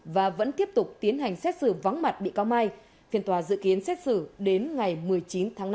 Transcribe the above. và vẫn tiếp tục tiến hành xét xử vắng mặt bị cáo mai phiên tòa dự kiến xét xử đến ngày một mươi chín tháng năm